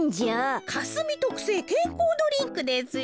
かすみとくせいけんこうドリンクですよ。